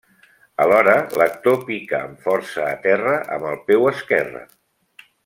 Alhora, l'actor pica amb força a terra amb el peu esquerre.